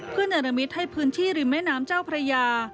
เพื่อเนรมิตให้พื้นที่ริมแม่น้ำเจ้าพระยา